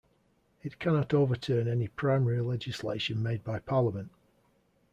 It cannot overturn any primary legislation made by Parliament.